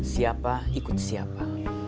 siapa ikut siapa